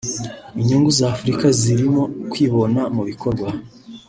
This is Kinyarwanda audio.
Inyungu za Afurika zirimo kwibona mu bikorwa